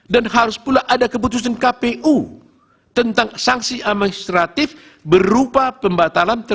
dan harus pula ada kebetulan